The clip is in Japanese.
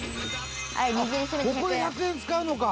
「ここで１００円使うのか！」